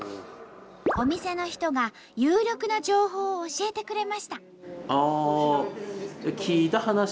お店の人が有力な情報を教えてくれました。